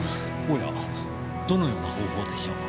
おやどのような方法でしょう？